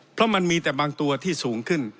เพราะมันมีแต่บางตัวที่สูงขึ้น